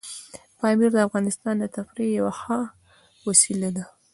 پامیر د افغانانو د تفریح یوه ښه وسیله ده.